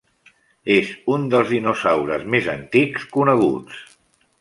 És un dels dinosaures més antics coneguts.